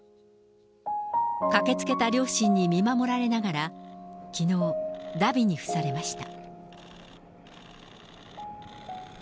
駆けつけた両親に見守られながら、きのう、だびにふされました。